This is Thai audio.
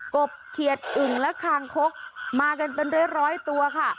บเขียดอึ่งและคางคกมากันเป็นร้อยตัวค่ะ